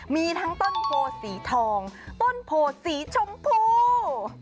มีทั้งต้นโพสีทองต้นโพสีชมพู